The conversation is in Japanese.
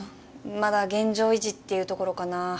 まだ現状維持っていうところかな